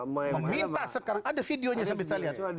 meminta sekarang ada videonya sekarang